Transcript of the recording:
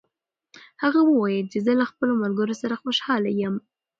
هغه وویل چې زه له خپلو ملګرو سره خوشحاله یم.